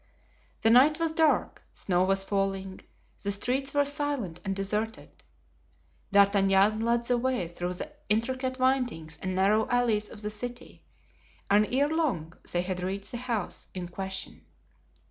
The night was dark, snow was falling, the streets were silent and deserted. D'Artagnan led the way through the intricate windings and narrow alleys of the city and ere long they had reached the house in question.